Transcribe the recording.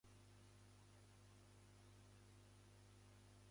向上心を持つ